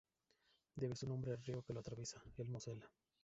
Debe su nombre al río que lo atraviesa, el Mosela.